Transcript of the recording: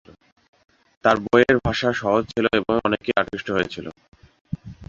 তার বইয়ের ভাষা সহজ ছিল এবং অনেকেই আকৃষ্ট হয়েছিল।